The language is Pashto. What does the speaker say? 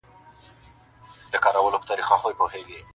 له مشرقه تر مغربه له شماله تر جنوبه٫